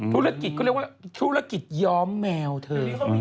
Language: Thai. ธุรกิจก็เรียกว่าธุรกิจย้อมแมวเธอ